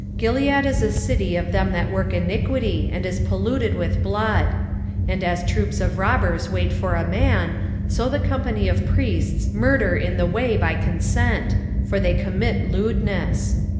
6:8 Gilead is a city of them that work iniquity, and is polluted with blood. 6:9 And as troops of robbers wait for a man, so the company of priests murder in the way by consent: for they commit lewdness.